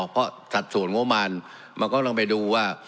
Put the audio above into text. เพราะจัดส่วนโงมันมาก็ลองไปดูว่า